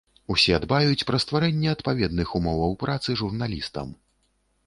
Усе дбаюць пра стварэнне адпаведных умоваў працы журналістам.